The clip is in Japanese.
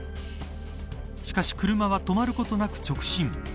しかし車は止まることなく直進。